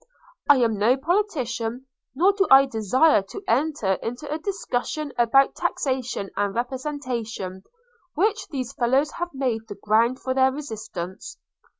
– I am no politician, nor do I desire to enter into a discussion about taxation and representation, which these fellows have made the ground for their resistance.